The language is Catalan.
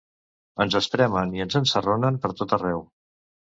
Ens espremen i ens ensarronen pertot arreu.